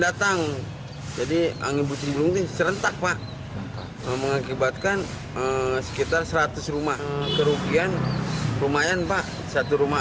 datang jadi angin puting beliung ini serentak pak mengakibatkan sekitar seratus rumah kerugian lumayan pak satu rumah